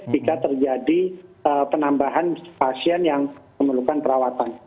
jika terjadi penambahan pasien yang memerlukan perawatan